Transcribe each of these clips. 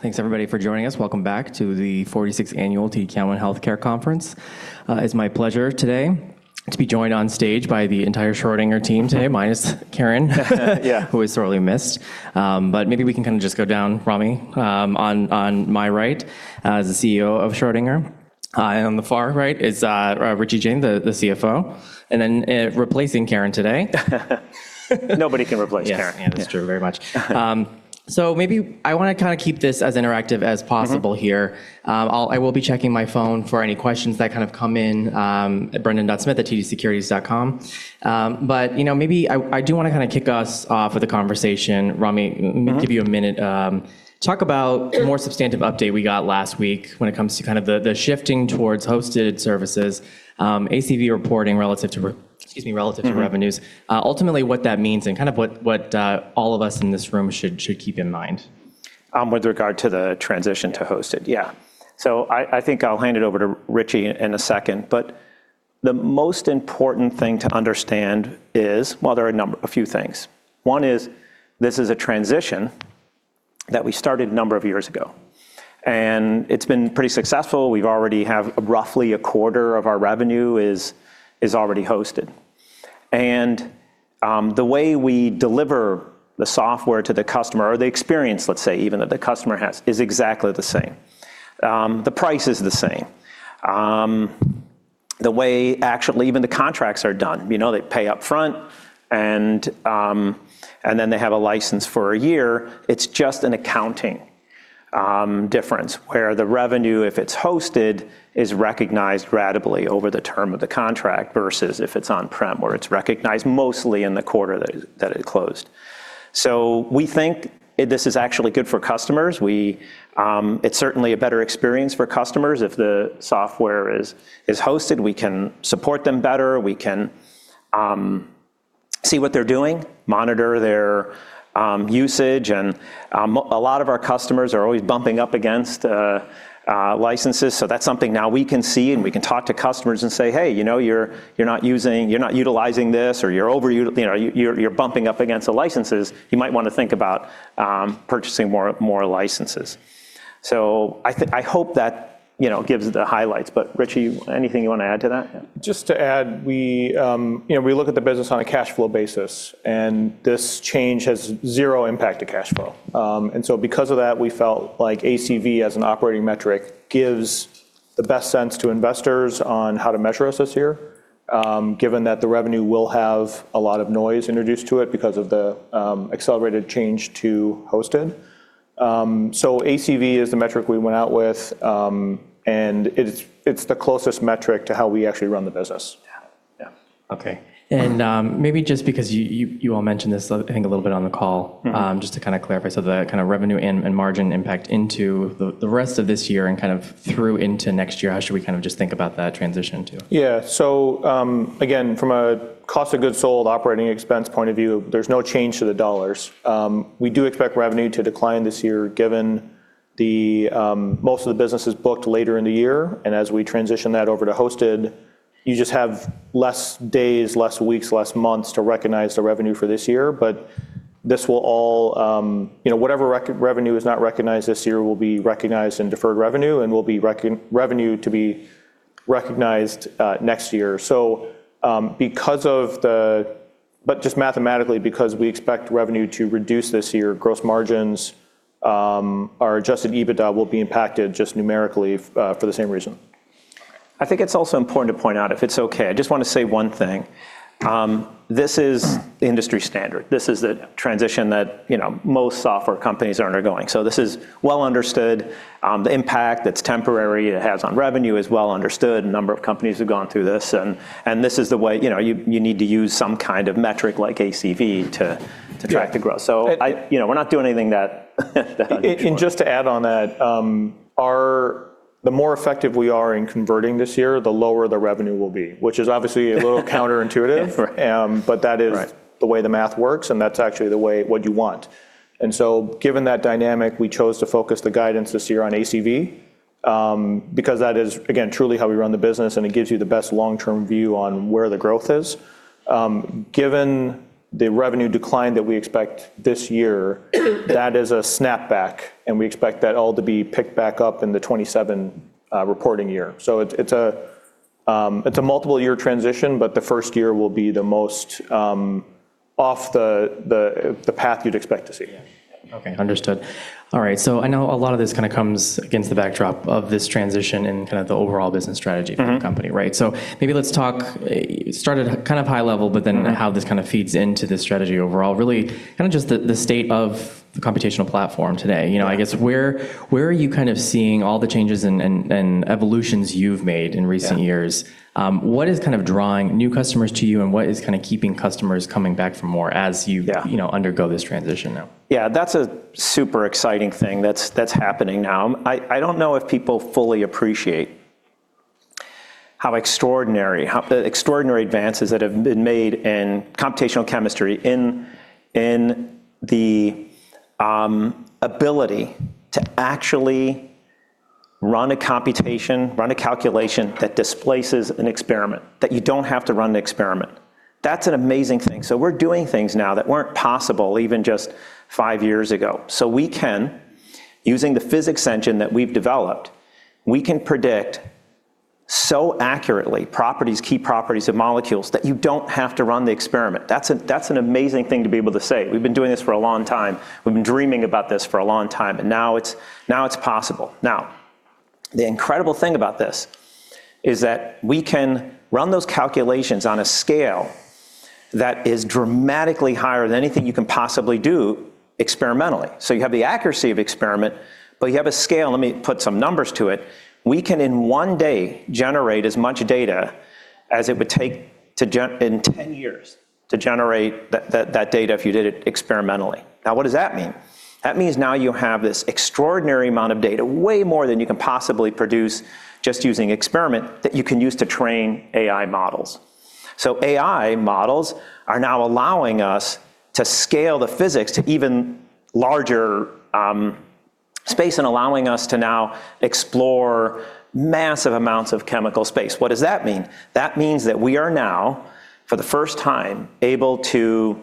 Thanks everybody for joining us. Welcome back to the 46th Annual TD Cowen Healthcare conference. It's my pleasure today to be joined on stage by the entire Schrödinger team today, minus Karen. Yeah. Who is sorely missed. Maybe we can kinda just go down, Ramy, on my right, the CEO of Schrödinger. On the far right is Richie Jain, the CFO. Then, replacing Karen today. Nobody can replace Karen. Yes. Yeah, that's true, very much. Maybe I wanna kinda keep this as interactive as possible here. I will be checking my phone for any questions that kind of come in, at brendan.smith@tdsecurities.com. You know, maybe I do wanna kinda kick us off with a conversation, Ramy. Give you a minute, talk about the more substantive update we got last week when it comes to kind of the shifting towards hosted services, ACV reporting relative to excuse me, relative to revenues. Ultimately what that means and kind of what, all of us in this room should keep in mind. With regard to the transition to hosted. I think I'll hand it over to Richie in a second, but the most important thing to understand is. Well, there are a few things. One is this is a transition that we started a number of years ago, and it's been pretty successful. We already have roughly a quarter of our revenue is already hosted. The way we deliver the software to the customer or the experience, let's say, even that the customer has, is exactly the same. The price is the same. The way, actually, even the contracts are done. You know, they pay upfront and then they have a license for a year. It's just an accounting difference where the revenue, if it's hosted, is recognized ratably over the term of the contract versus if it's on-prem or it's recognized mostly in the quarter that it closed. We think this is actually good for customers. We, it's certainly a better experience for customers if the software is hosted. We can support them better. We can see what they're doing, monitor their usage. A lot of our customers are always bumping up against licenses, so that's something now we can see, and we can talk to customers and say, "Hey, you know, you're not utilizing this," or "You're over uti-- you know, you're bumping up against the licenses. You might wanna think about purchasing more licenses. I hope that, you know, gives the highlights. Richie, anything you wanna add to that? Just to add, we, you know, we look at the business on a cash flow basis, and this change has 0 impact to cash flow. Because of that, we felt like ACV as an operating metric gives the best sense to investors on how to measure us this year, given that the revenue will have a lot of noise introduced to it because of the accelerated change to hosted. ACV is the metric we went out with, and it's the closest metric to how we actually run the business. Yeah. Yeah. Okay. maybe just because you all mentioned this I think a little on the call.... Just to kinda clarify. The kinda revenue and margin impact into the rest of this year and kind of through into next year, how should we kind of just think about that transition too? Again, from a cost of goods sold operating expense point of view, there's no change to the dollars. We do expect revenue to decline this year given the most of the business is booked later in the year. As we transition that over to hosted, you just have less days, less weeks, less months to recognize the revenue for this year. This will all, you know, whatever revenue is not recognized this year will be recognized in deferred revenue and will be revenue to be recognized next year. Because of the... but just mathematically because we expect revenue to reduce this year, gross margins, our Adjusted EBITDA will be impacted just numerically for the same reason. I think it's also important to point out, if it's okay, I just wanna say one thing. This is industry standard. This is a transition that, you know, most software companies are undergoing. This is well understood. The impact, it's temporary, it has on revenue is well understood. A number of companies have gone through this and this is the way, you know, you need to use some kind of metric like ACV to track the growth. Yeah. I, you know, We're not doing anything that. Just to add on that, the more effective we are in converting this year, the lower the revenue will be, which is obviously a little counterintuitive. Right. That is. Right. The way the math works, and that's actually the way what you want. Given that dynamic, we chose to focus the guidance this year on ACV, because that is, again, truly how we run the business, and it gives you the best long-term view on where the growth is. Given the revenue decline that we expect this year, that is a snapback, and we expect that all to be picked back up in the 2027 reporting year. It's a, it's a multiple year transition, but the first year will be the most off the path you'd expect to see. Yeah. Okay. Understood. All right. I know a lot of this kinda comes against the backdrop of this transition and kind of the overall business strategy for the company, right? Maybe let's talk, start at kind of high level, but then how this kind of feeds into the strategy overall, really kind of just the state of the computational platform today. You know, I guess where are you kind of seeing all the changes and evolutions you've made in recent years? Yeah. What is kinda drawing new customers to you, and what is kinda keeping customers coming back for more as you-? Yeah. You know, undergo this transition now? Yeah, that's a super exciting thing that's happening now. I don't know if people fully appreciate how extraordinary the advances that have been made in computational chemistry in the ability to actually run a computation, run a calculation that displaces an experiment, that you don't have to run the experiment. That's an amazing thing. We're doing things now that weren't possible even just five years ago. We can, using the physics engine that we've developed, we can predict so accurately key properties of molecules that you don't have to run the experiment. That's an amazing thing to be able to say. We've been doing this for a long time. We've been dreaming about this for a long time, and now it's possible. The incredible thing about this is that we can run those calculations on a scale that is dramatically higher than anything you can possibly do experimentally. You have the accuracy of experiment, but you have a scale. Let me put some numbers to it. We can in 1 day generate as much data as it would take in 10 years to generate that data if you did it experimentally. What does that mean? That means now you have this extraordinary amount of data, way more than you can possibly produce just using experiment, that you can use to train AI models. AI models are now allowing us to scale the physics to even larger space and allowing us to now explore massive amounts of chemical space. What does that mean? That means that we are now, for the first time, able to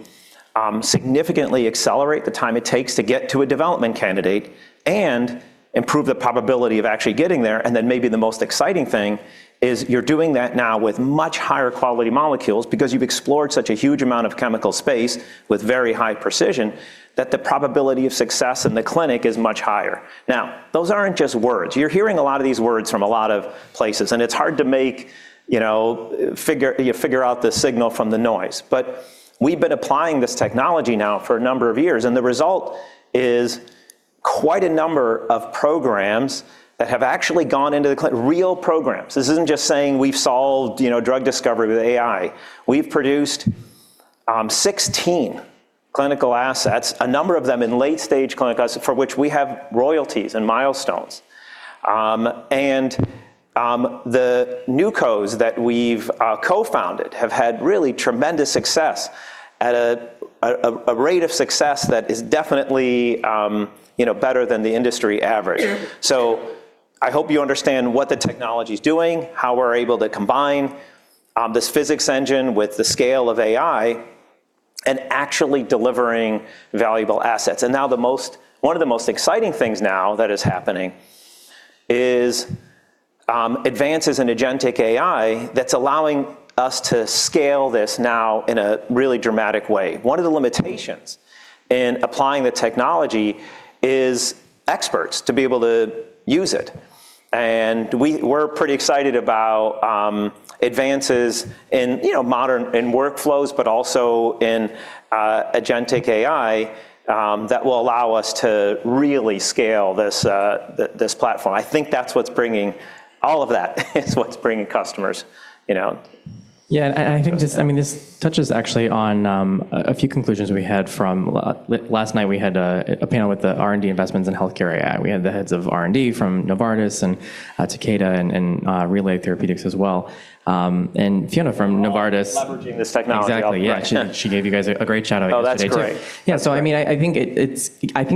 significantly accelerate the time it takes to get to a development candidate and improve the probability of actually getting there. Maybe the most exciting thing is you're doing that now with much higher quality molecules because you've explored such a huge amount of chemical space with very high precision that the probability of success in the clinic is much higher. Those aren't just words. You're hearing a lot of these words from a lot of places, and it's hard to make, you know, figure out the signal from the noise. We've been applying this technology now for a number of years, and the result is quite a number of programs that have actually gone into the clinic. Real programs. This isn't just saying we've solved, you know, drug discovery with AI. We've produced, 16 clinical assets, a number of them in late-stage clinical assets for which we have royalties and milestones. The newcos that we've, co-founded have had really tremendous success at a, a rate of success that is definitely, you know, better than the industry average. I hope you understand what the technology's doing, how we're able to combine, this physics engine with the scale of AI and actually delivering valuable assets. Now one of the most exciting things now that is happening is, advances in agentic AI that's allowing us to scale this now in a really dramatic way. One of the limitations in applying the technology is experts to be able to use it. We're pretty excited about advances in, you know, modern, in workflows, but also in agentic AI that will allow us to really scale this platform. I think that's what's bringing all of that. It's what's bringing customers, you know. Yeah. I think this, I mean, this touches actually on a few conclusions we had from Last night we had a panel with the R&D investments in healthcare AI. We had the heads of R&D from Novartis and Takeda and Relay Therapeutics as well. Fiona from Novartis. Leveraging this technology. Exactly, yeah. She gave you guys a great shout-out yesterday too. Oh, that's great. Yeah. I mean, I think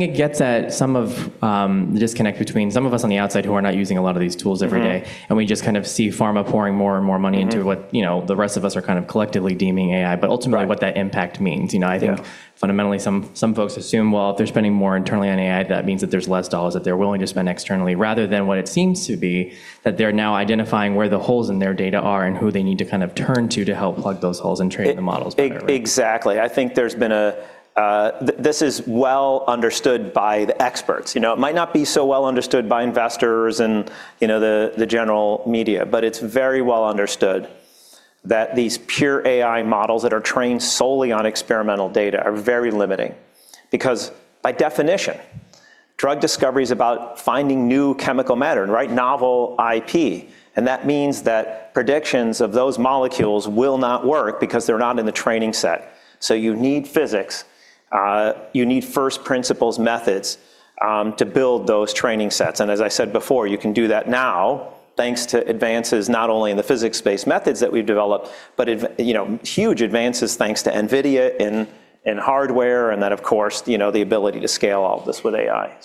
it gets at some of the disconnect between some of us on the outside who are not using a lot of these tools every day. We just kind of see pharma pouring more and more money. What, you know, the rest of us are kind of collectively deeming AI? Right. Ultimately what that impact means, you know? Yeah. I think fundamentally some folks assume, well, if they're spending more internally on AI, that means that there's less dollars that they're willing to spend externally, rather than what it seems to be, that they're now identifying where the holes in their data are and who they need to kind of turn to help plug those holes and train the models better, right? Exactly. I think this is well understood by the experts, you know? It might not be so well understood by investors and, you know, the general media, but it's very well understood that these pure AI models that are trained solely on experimental data are very limiting. Because by definition, drug discovery is about finding new chemical matter, right? Novel IP, and that means that predictions of those molecules will not work because they're not in the training set. You need physics, you need first principles methods to build those training sets. As I said before, you can do that now thanks to advances not only in the physics-based methods that we've developed, but huge advances thanks to NVIDIA in hardware and then of course, you know, the ability to scale all of this with AI.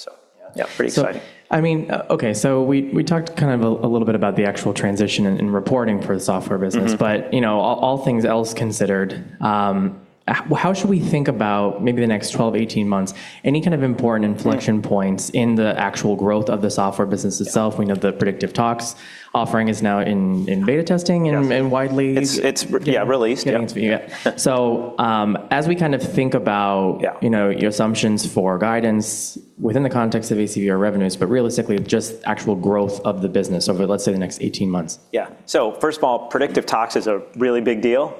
Yeah, pretty exciting. I mean, okay. We talked kind of a little bit about the actual transition in reporting for the software business. You know, all things else considered, how should we think about maybe the next 12, 18 months, any kind of important inflection points in the actual growth of the software business itself? We know the predictive toxicology offering is now in beta testing. Yes. And, and widely- It's yeah, released. Yeah. as we kind of think about. Yeah. You know, your assumptions for guidance within the context of ACVR revenues, but realistically just actual growth of the business over let's say the next 18 months. Yeah. First of all, predictive toxicology is a really big deal.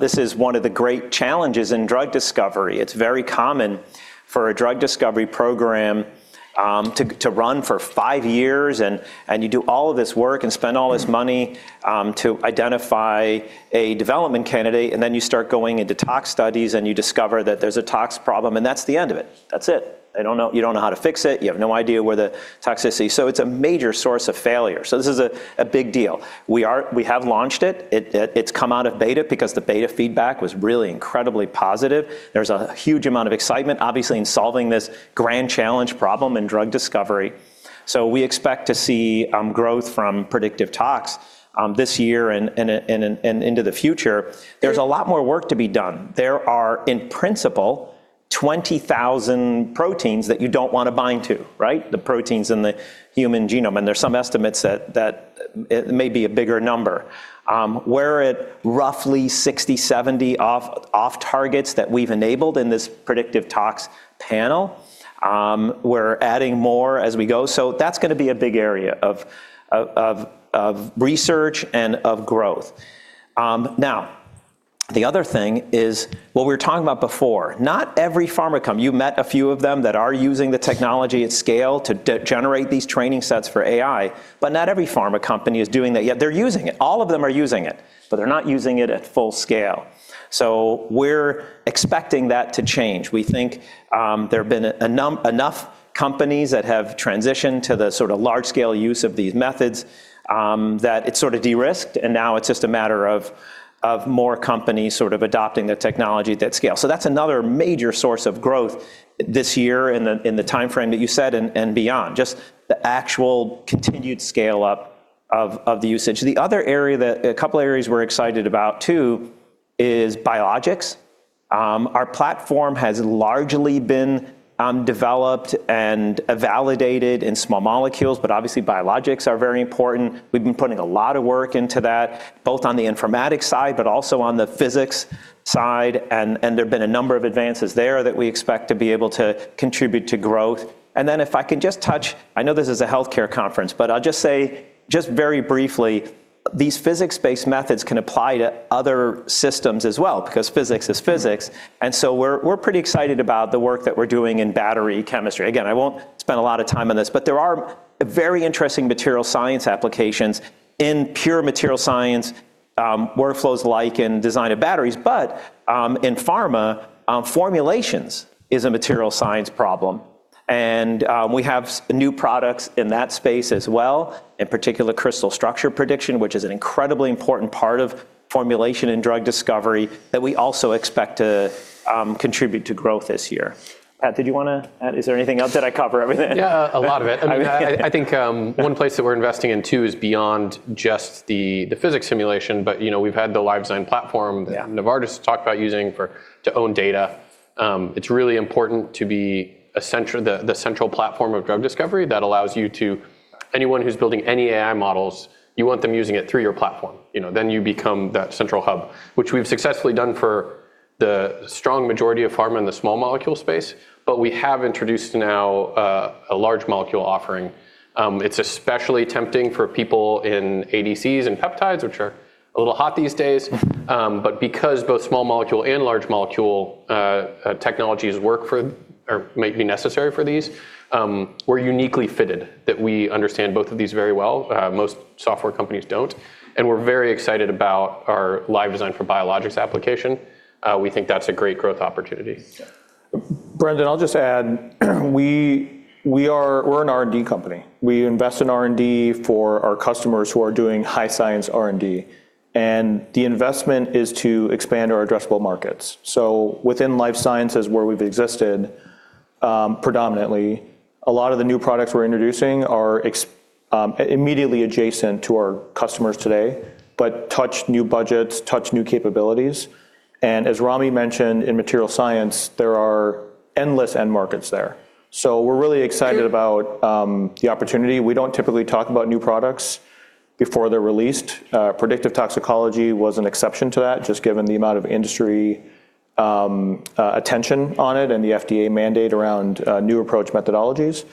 This is one of the great challenges in drug discovery. It's very common for a drug discovery program to run for five years and you do all of this work and spend all this money to identify a development candidate, then you start going into tox studies and you discover that there's a tox problem, that's the end of it. That's it. You don't know how to fix it. You have no idea where the toxicity... It's a major source of failure. This is a big deal. We have launched it. It's come out of beta because the beta feedback was really incredibly positive. There's a huge amount of excitement, obviously, in solving this grand challenge problem in drug discovery. We expect to see growth from predictive toxicology this year and into the future. There's a lot more work to be done. There are, in principle, 20,000 proteins that you don't wanna bind to, right? The proteins in the human genome, and there are some estimates that it may be a bigger number. We're at roughly 60, 70 off-targets that we've enabled in this predictive toxicology panel. We're adding more as we go. That's gonna be a big area of research and of growth. Now, the other thing is what we were talking about before. Not every pharma company. You've met a few of them that are using the technology at scale to de-generate these training sets for AI, not every pharma company is doing that yet. They're using it. All of them are using it, they're not using it at full scale. We're expecting that to change. We think, there have been enough companies that have transitioned to the sorta large scale use of these methods, that it's sorta de-risked, now it's just a matter of more companies sort of adopting the technology at that scale. That's another major source of growth this year in the timeframe that you said and beyond. Just the actual continued scale-up of the usage. The other area that a couple areas we're excited about too is biologics. Our platform has largely been developed and validated in small molecules, but obviously biologics are very important. We've been putting a lot of work into that, both on the informatics side, but also on the physics side, and there have been a number of advances there that we expect to be able to contribute to growth. If I can just touch, I know this is a healthcare conference, but I'll just say just very briefly, these physics-based methods can apply to other systems as well because physics is physics. So we're pretty excited about the work that we're doing in battery chemistry. Again, I won't spend a lot of time on this, but there are very interesting material science applications in pure material science workflows like in design of batteries. In pharma, formulations is a material science problem. We have new products in that space as well, in particular crystal structure prediction, which is an incredibly important part of formulation and drug discovery that we also expect to contribute to growth this year. Pat, did you wanna add? Is there anything else? Did I cover everything? Yeah, a lot of it. I mean, I think one place that we're investing in too is beyond just the physics simulation, you know, we've had the LiveDesign platform- Yeah.... Novartis talked about using for, to own data. It's really important to be the central platform of drug discovery that allows you to... Anyone who's building any AI models, you want them using it through your platform. You know, then you become that central hub, which we've successfully done for the strong majority of pharma in the small molecule space. We have introduced now a large molecule offering. It's especially tempting for people in ADCs and peptides, which are a little hot these days. But because both small molecule and large molecule technologies work for or might be necessary for these, we're uniquely fitted that we understand both of these very well. Most software companies don't. We're very excited about our LiveDesign for Biologics application. We think that's a great growth opportunity. Yeah. Brendan, I'll just add, we are, we're an R&D company. We invest in R&D for our customers who are doing high science R&D. The investment is to expand our addressable markets. Within life sciences, where we've existed, predominantly, a lot of the new products we're introducing are immediately adjacent to our customers today, but touch new budgets, touch new capabilities. As Rami mentioned, in material science, there are endless end markets there. We're really excited about the opportunity. We don't typically talk about new products before they're released. Predictive toxicology was an exception to that, just given the amount of industry attention on it and the FDA mandate around New Approach Methodologies.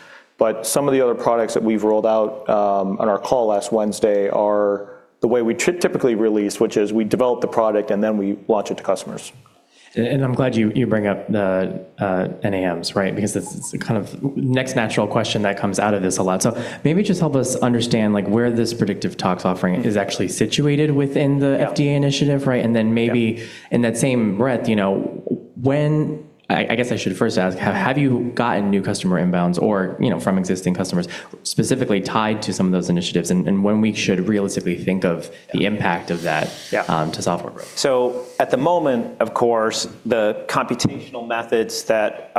Some of the other products that we've rolled out on our call last Wednesday are the way we typically release, which is we develop the product and then we launch it to customers. I'm glad you bring up the NAMs, right? It's kind of next natural question that comes out of this a lot. Maybe just help us understand, like, where this predictive toxicology offering is actually situated within the... Yeah... FDA initiative, right? Then maybe- Yeah. In that same breath, you know, when I guess I should first ask, have you gotten new customer inbounds or, you know, from existing customers specifically tied to some of those initiatives, and when we should realistically think of the impact of that... Yeah. To software growth? At the moment, of course, the computational methods that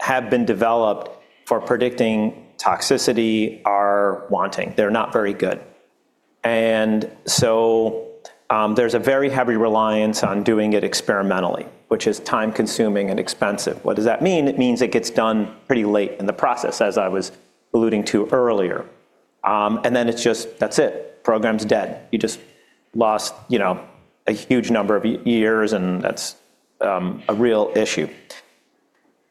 have been developed for predicting toxicity are wanting. They're not very good. There's a very heavy reliance on doing it experimentally, which is time-consuming and expensive. What does that mean? It means it gets done pretty late in the process, as I was alluding to earlier. Then it's just, that's it. Program's dead. You just lost, you know, a huge number of years, and that's a real issue.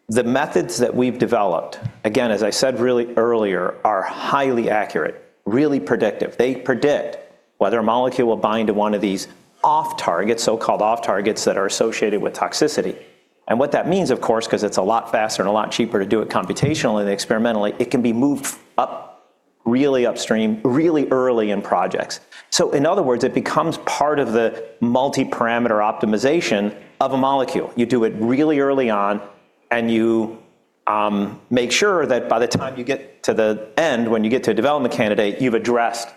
The methods that we've developed, again, as I said really earlier, are highly accurate, really predictive. They predict whether a molecule will bind to one of these off-targets, so-called off-targets that are associated with toxicity. What that means, of course, 'cause it's a lot faster and a lot cheaper to do it computationally than experimentally, it can be moved up really upstream, really early in projects. In other words, it becomes part of the multi-parameter optimization of a molecule. You do it really early on, and you make sure that by the time you get to the end, when you get to a development candidate, you've addressed,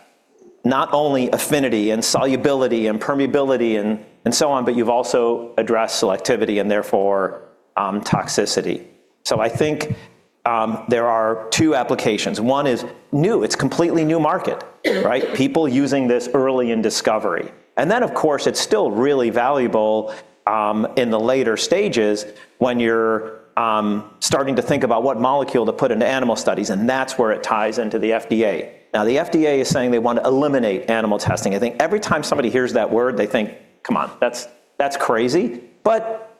not only affinity and solubility and permeability and so on, but you've also addressed selectivity and therefore, toxicity. I think there are two applications. One is new. It's completely new market, right? People using this early in discovery. Of course, it's still really valuable in the later stages when you're starting to think about what molecule to put into animal studies, and that's where it ties into the FDA. Now, the FDA is saying they want to eliminate animal testing. I think every time somebody hears that word, they think, "Come on, that's crazy."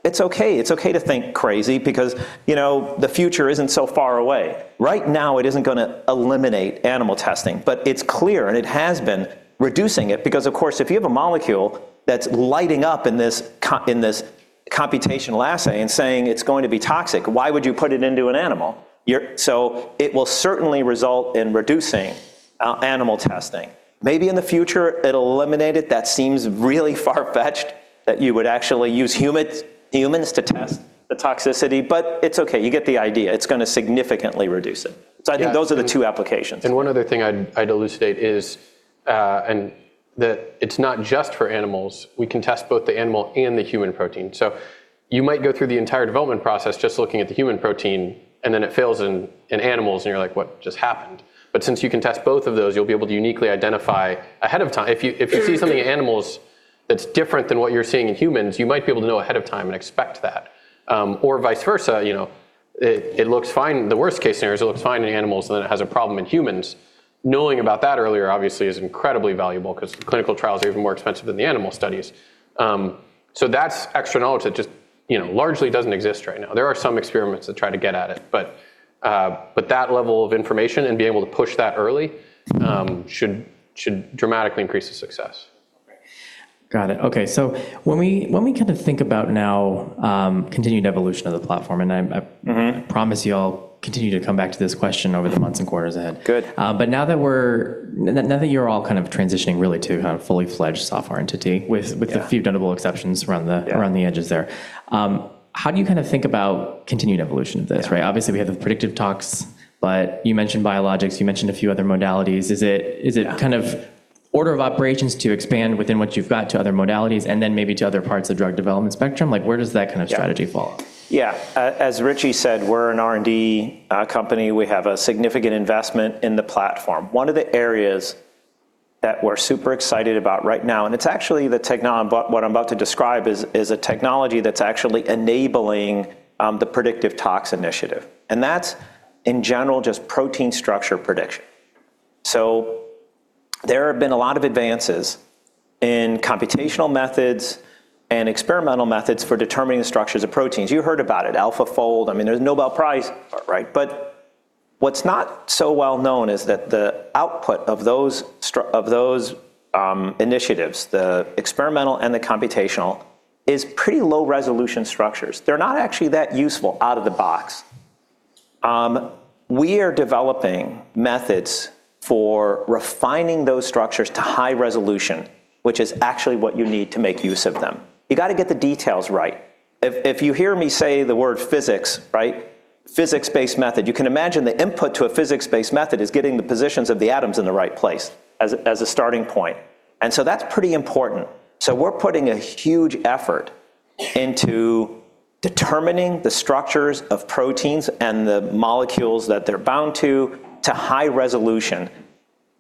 It's okay. It's okay to think crazy because, you know, the future isn't so far away. It isn't gonna eliminate animal testing, but it's clear, and it has been reducing it because, of course, if you have a molecule that's lighting up in this computational assay and saying it's going to be toxic, why would you put it into an animal? It will certainly result in reducing animal testing. Maybe in the future, it'll eliminate it. That seems really far-fetched that you would actually use humans to test the toxicity. It's okay. You get the idea. It's gonna significantly reduce it. Yeah. I think those are the two applications. One other thing I'd elucidate is it's not just for animals. We can test both the animal and the human protein. You might go through the entire development process just looking at the human protein, and then it fails in animals, and you're like, "What just happened?" Since you can test both of those, you'll be able to uniquely identify ahead of time. If you see something in animals that's different than what you're seeing in humans, you might be able to know ahead of time and expect that. Or vice versa, you know, the worst-case scenario is it looks fine in animals, and then it has a problem in humans. Knowing about that earlier, obviously, is incredibly valuable 'cause clinical trials are even more expensive than the animal studies. That's extra knowledge that just, you know, largely doesn't exist right now. There are some experiments that try to get at it, but that level of information and being able to push that early, should dramatically increase the success. Got it. Okay. When we kinda think about now, continued evolution of the platform. Promise you I'll continue to come back to this question over the months and quarters ahead. Good. Now that you're all kind of transitioning really to a fully fledged software entity with Yeah. With a few notable exceptions around the Yeah. Around the edges there, how do you kinda think about continued evolution of this, right? Obviously, we have the predictive toxicology, but you mentioned biologics, you mentioned a few other modalities? Yeah. Is it kind of order of operations to expand within what you've got to other modalities and then maybe to other parts of drug development spectrum? Like, where does that kind of strategy fall? As Richie said, we're an R&D company. We have a significant investment in the platform. One of the areas that we're super excited about right now, it's actually what I'm about to describe is a technology that's actually enabling the predictive toxicology initiative, and that's, in general, just protein structure prediction. There have been a lot of advances in computational methods and experimental methods for determining the structures of proteins. You heard about it, AlphaFold. I mean, there's a Nobel Prize, right? What's not so well known is that the output of those of those initiatives, the experimental and the computational, is pretty low-resolution structures. They're not actually that useful out of the box. We are developing methods for refining those structures to high resolution, which is actually what you need to make use of them. You gotta get the details right. If you hear me say the word physics, right, physics-based method, you can imagine the input to a physics-based method is getting the positions of the atoms in the right place as a starting point. That's pretty important. We're putting a huge effort into determining the structures of proteins and the molecules that they're bound to to high resolution.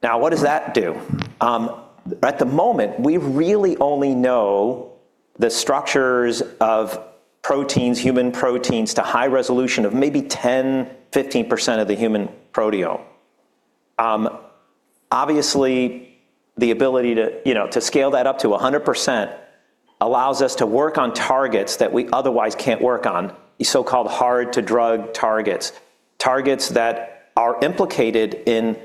Now, what does that do? At the moment, we really only know the structures of proteins, human proteins, to high resolution of maybe 10%, 15% of the human proteome. Obviously, the ability to, you know, to scale that up to 100% allows us to work on targets that we otherwise can't work on, the so-called hard to drug targets that are implicated in,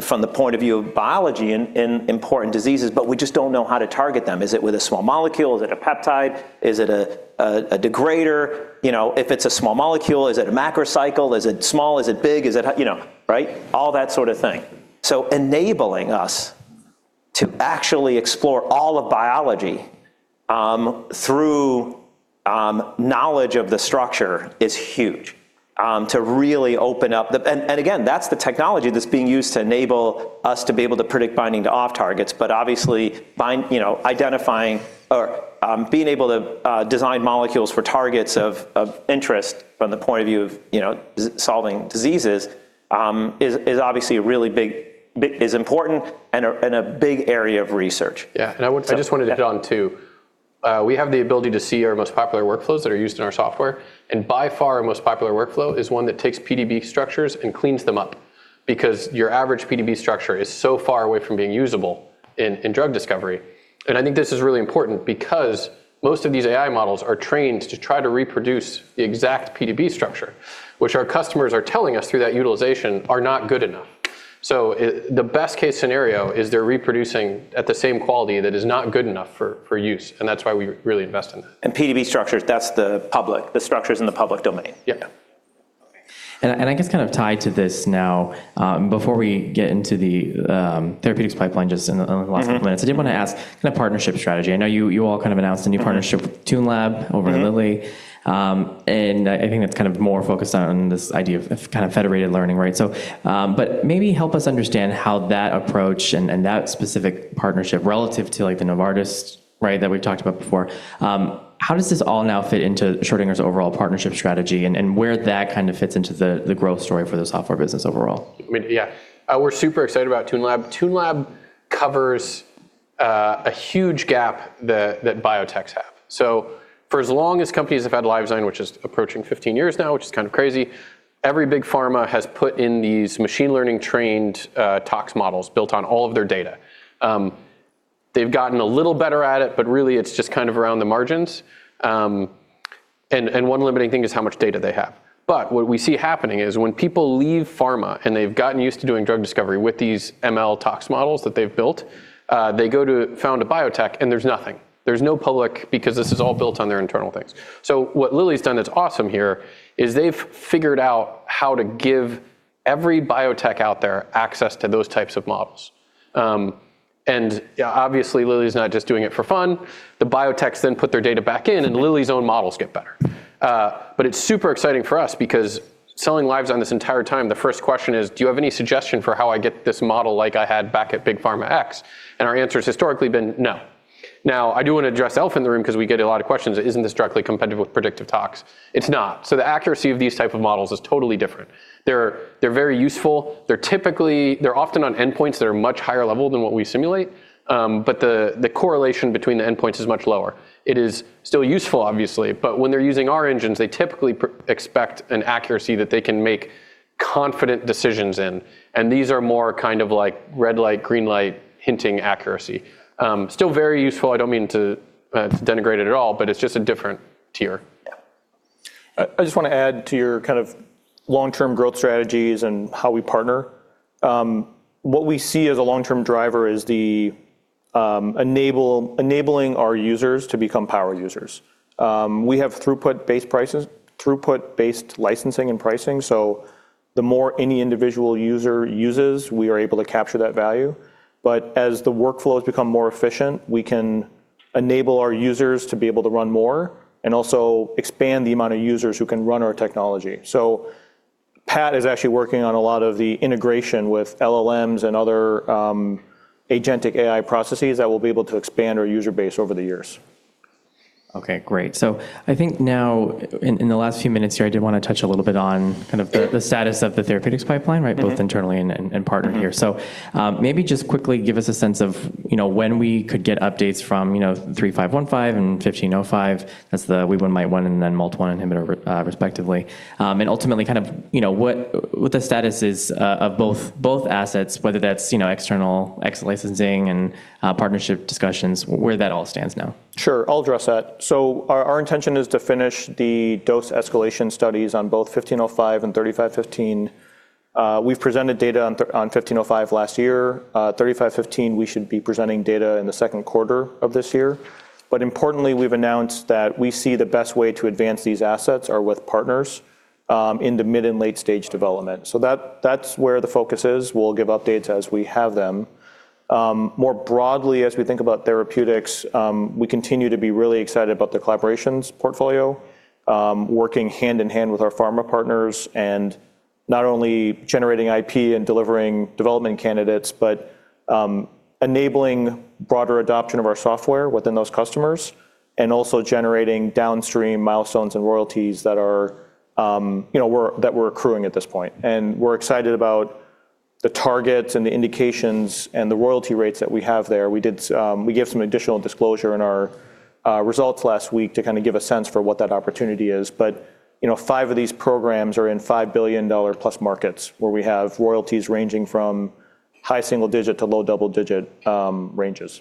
from the point of view of biology, in important diseases, but we just don't know how to target them. Is it with a small molecule? Is it a peptide? Is it a degrader? You know, if it's a small molecule, is it a macrocycle? Is it small? Is it big? Is it? You know, right? All that sort of thing. Enabling us to actually explore all of biology, through, knowledge of the structure is huge to really open up the... Again, that's the technology that's being used to enable us to be able to predict binding to off-targets, but obviously find, you know, identifying or, being able to, design molecules for targets of interest from the point of view of, you know, solving diseases, is obviously a really big, is important and a big area of research. Yeah. So- I just wanted to add on, too. We have the ability to see our most popular workflows that are used in our software, and by far our most popular workflow is one that takes PDB structures and cleans them up because your average PDB structure is so far away from being usable in drug discovery. I think this is really important because most of these AI models are trained to try to reproduce the exact PDB structure, which our customers are telling us through that utilization are not good enough. The best-case scenario is they're reproducing at the same quality that is not good enough for use, and that's why we really invest in that. PDB structures, that's the structures in the public domain. Yeah. I guess kind of tied to this now, before we get into the therapeutics pipeline, just in the last couple minutes, I did want to ask the partnership strategy. I know you all kind of announced a new partnership with TuneLab over at Lilly. And I think that's kind of more focused on this idea of kind of federated learning, right? So, but maybe help us understand how that approach and that specific partnership relative to like the Novartis, right, that we've talked about before, how does this all now fit into Schrödinger's overall partnership strategy and where that kind of fits into the growth story for the software business overall? I mean, yeah, we're super excited about TuneLab. TuneLab covers a huge gap that biotechs have. For as long as companies have had LiveDesign, which is approaching 15 years now, which is kind of crazy, every big pharma has put in these machine learning trained tox models built on all of their data. They've gotten a little better at it, but really it's just kind of around the margins. One limiting thing is how much data they have. What we see happening is when people leave pharma and they've gotten used to doing drug discovery with these ML tox models that they've built, they go to found a biotech and there's nothing. There's no public because this is all built on their internal things. What Lilly's done that's awesome here is they've figured out how to give every biotech out there access to those types of models. Obviously Lilly's not just doing it for fun. The biotechs then put their data back in and Lilly's own models get better. It's super exciting for us because selling LiveDesign on this entire time, the first question is, "Do you have any suggestion for how I get this model like I had back at Big Pharma X?" Our answer has historically been no. Now, I do want to address the elephant in the room because we get a lot of questions. Isn't this directly competitive with predictive toxicology? It's not. The accuracy of these type of models is totally different. They're very useful. They're often on endpoints that are much higher level than what we simulate, the correlation between the endpoints is much lower. It is still useful, obviously, but when they're using our engines, they typically expect an accuracy that they can make confident decisions in. These are more kind of like red light, green light hinting accuracy. Still very useful. I don't mean to denigrate it at all. It's just a different tier. I just want to add to your kind of long-term growth strategies and how we partner. What we see as a long-term driver is the enabling our users to become power users. We have throughput-based prices, throughput-based licensing and pricing. The more any individual user uses, we are able to capture that value. As the workflows become more efficient, we can enable our users to be able to run more and also expand the amount of users who can run our technology. Pat is actually working on a lot of the integration with LLMs and other agentic AI processes that will be able to expand our user base over the years. Okay, great. I think now in the last few minutes here, I did want to touch a little bit on kind of the status of the therapeutics pipeline, right, both internally and partnered here. Maybe just quickly give us a sense of, you know, when we could get updates from, you know, SGR-3515 and SGR-1505. That's the Wee1/Myt1 and then MALT1 inhibitor, respectively. And ultimately kind of, you know, what the status is of both assets, whether that's, you know, external exit licensing and partnership discussions, where that all stands now. Sure, I'll address that. Our intention is to finish the dose escalation studies on both 1505 and 3515. We've presented data on 1505 last year. 3515, we should be presenting data in the second quarter of this year. Importantly, we've announced that we see the best way to advance these assets are with partners in the mid and late-stage development. That's where the focus is. We'll give updates as we have them. More broadly, as we think about therapeutics, we continue to be really excited about the collaborations portfolio, working hand in hand with our pharma partners and not only generating IP and delivering development candidates, but enabling broader adoption of our software within those customers and also generating downstream milestones and royalties that are, you know, we're, that we're accruing at this point. We're excited about the targets and the indications and the royalty rates that we have there. We gave some additional disclosure in our results last week to kind of give a sense for what that opportunity is. You know, five of these programs are in $5 billion-plus markets where we have royalties ranging from high single-digit to low double-digit ranges.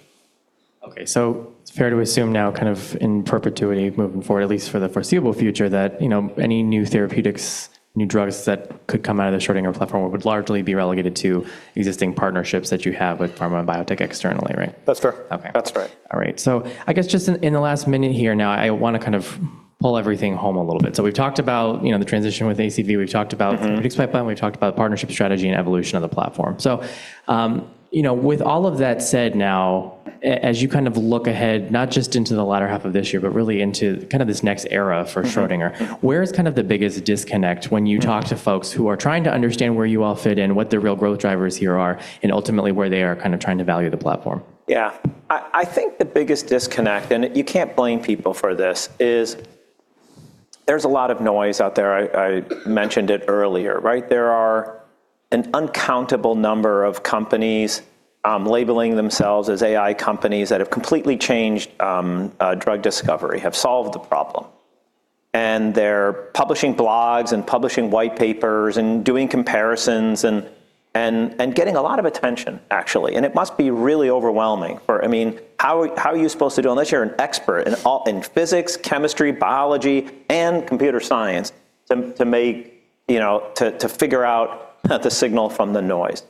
It's fair to assume now kind of in perpetuity moving forward, at least for the foreseeable future, that, you know, any new therapeutics, new drugs that could come out of the Schrödinger platform would largely be relegated to existing partnerships that you have with pharma and biotech externally, right? That's fair. Okay. That's right. All right. I guess just in the last minute here now, I want to kind of pull everything home a little bit. We've talked about, you know, the transition with ACV. We've talked about. -Therapeutics pipeline. We've talked about partnership strategy and evolution of the platform. You know, with all of that said now, as you kind of look ahead not just into the latter half of this year, but really into kind of this next era for Schrödinger, where is kind of the biggest disconnect when you talk to folks who are trying to understand where you all fit in, what the real growth drivers here are, and ultimately where they are kind of trying to value the platform? Yeah. I think the biggest disconnect, and you can't blame people for this, is there's a lot of noise out there. I mentioned it earlier, right? There are an uncountable number of companies labeling themselves as AI companies that have completely changed drug discovery, have solved the problem, and they're publishing blogs and publishing white papers and doing comparisons and getting a lot of attention, actually. It must be really overwhelming for... I mean, how are you supposed to do, unless you're an expert in all, in physics, chemistry, biology, and computer science to make, you know, to figure out the signal from the noise?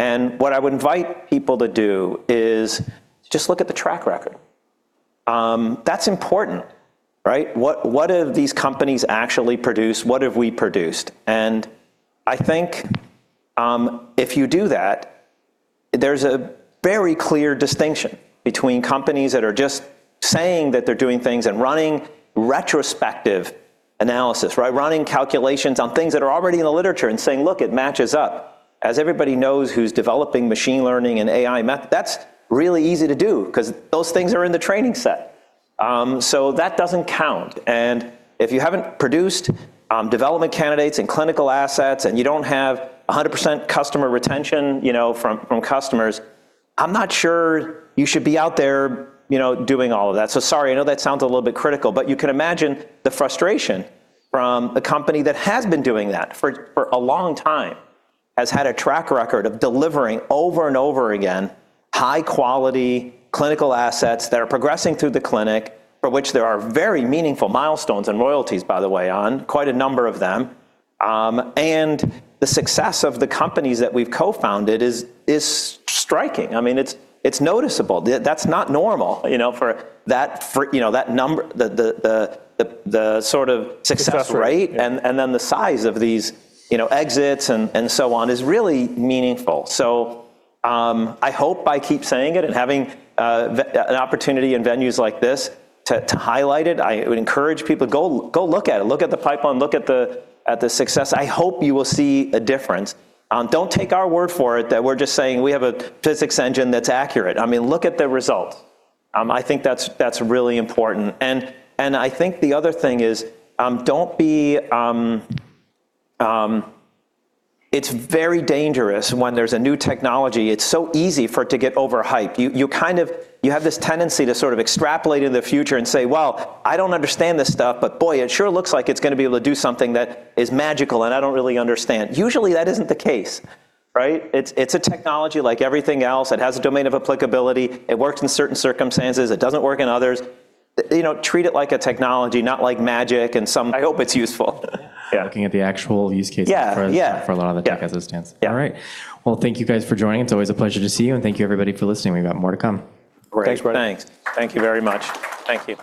What I would invite people to do is just look at the track record. That's important, right? What do these companies actually produce? What have we produced? I think if you do that, there's a very clear distinction between companies that are just saying that they're doing things and running retrospective analysis, right? Running calculations on things that are already in the literature and saying, "Look, it matches up." As everybody knows who's developing machine learning and AI that's really easy to do 'cause those things are in the training set. That doesn't count. If you haven't produced development candidates and clinical assets, and you don't have 100% customer retention, you know, from customers, I'm not sure you should be out there, you know, doing all of that. Sorry, I know that sounds a little bit critical, but you can imagine the frustration from a company that has been doing that for a long time, has had a track record of delivering over and over again high-quality clinical assets that are progressing through the clinic, for which there are very meaningful milestones and royalties, by the way, on quite a number of them. The success of the companies that we've co-founded is striking. I mean, it's noticeable. That's not normal, you know, for that, you know, that number the sort of success rate. Success rate, yeah. Then the size of these, you know, exits and so on is really meaningful. I hope I keep saying it and having an opportunity in venues like this to highlight it. I would encourage people, go look at it. Look at the pipeline. Look at the success. I hope you will see a difference. Don't take our word for it that we're just saying we have a physics engine that's accurate. I mean, look at the results. I think that's really important. I think the other thing is, don't be... It's very dangerous when there's a new technology. It's so easy for it to get over-hyped. You, you kind of, you have this tendency to sort of extrapolate into the future and say, "Well, I don't understand this stuff, but boy, it sure looks like it's gonna be able to do something that is magical, and I don't really understand." Usually, that isn't the case, right? It's, it's a technology like everything else. It has a domain of applicability. It works in certain circumstances. It doesn't work in others. You know, treat it like a technology, not like magic and some. I hope it's useful. Yeah. Looking at the actual use cases. Yeah.... For a lot of the tech as it stands. Yeah. All right. Well, thank you guys for joining. It's always a pleasure to see you. Thank you everybody for listening. We've got more to come. Great. Thanks. Thanks. Thank you very much. Thank you.